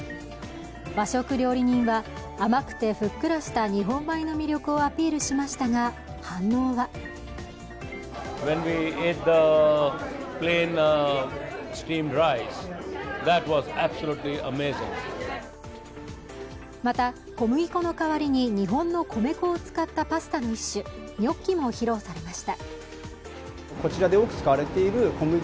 和食料理人は甘くてふっくらした日本米の魅力をアピールしましたが、反応はまた、小麦粉の代わりに日本の米粉を使ったパスタの一種ニョッキも披露されました。